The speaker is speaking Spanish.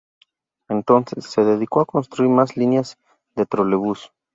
Entonces, se decidió construir más líneas de trolebús.